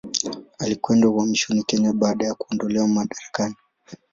Alikwenda uhamishoni Kenya baada ya kuondolewa madarakani.